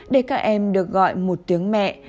để các em được gọi một tiếng mẹ